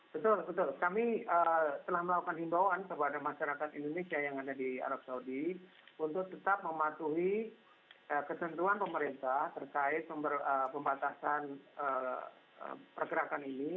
betul betul kami telah melakukan himbauan kepada masyarakat indonesia yang ada di arab saudi untuk tetap mematuhi ketentuan pemerintah terkait pembatasan pergerakan ini